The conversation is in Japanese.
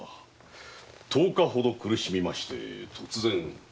十日ほど苦しみまして突然。